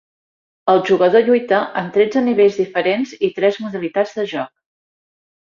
El jugador lluita en tretze nivells diferents i tres modalitats de joc.